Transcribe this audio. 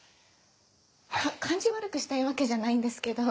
感じ悪くしたいわけじゃないんですけど。